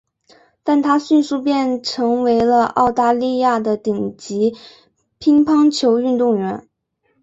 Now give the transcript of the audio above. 但她迅速变成为了澳大利亚的顶级乒乓球运动员。